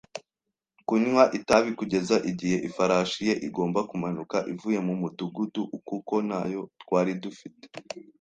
kunywa itabi kugeza igihe ifarashi ye igomba kumanuka ivuye mu mudugudu, kuko ntayo twari dufite